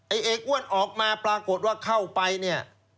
ไอ้เอกอ้วนออกมาปรากฏว่าเข้าไป